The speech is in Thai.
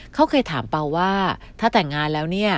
เขาเคยถามเป๋าว่าถ้าแต่งงานแล้ว